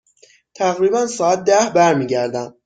تقریبا ساعت ده برمی گردم.